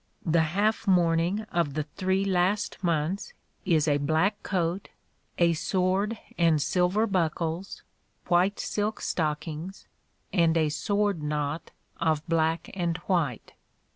The half mourning of the three last months is a black coat, a sword and silver buckles, white silk stockings, and a sword knot of black and white.